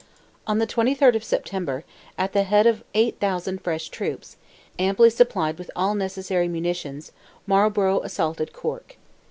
On the 23rd of September, at the head of 8,000 fresh troops, amply supplied with all necessary munitions, Marlborough assaulted Cork.